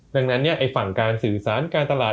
ดังนั้นฝั่งการสื่อสารการตลาด